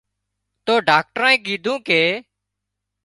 تو ڊاڪٽرانئي ڪيڌون ڪي